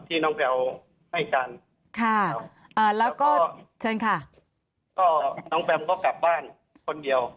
ที่น้องแบลให้กันค่ะอ่าแล้วก็เชิญค่ะก็น้องแบมก็กลับบ้านคนเดียว